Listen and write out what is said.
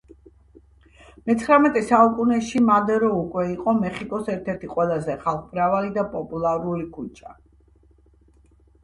მეცხრამეტე საუკუნეში, მადერო უკვე იყო მეხიკოს ერთ-ერთი ყველაზე ხალხმრავალი და პოპულარული ქუჩა.